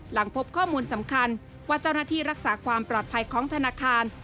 หลังพบข้อมูลสำคัญว่าเจ้าหน้าที่รักษาความปลอดภัยของธนาคาร